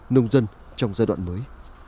nông dân trong giai đoạn mới